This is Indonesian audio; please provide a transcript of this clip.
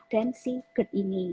dan si gerd ini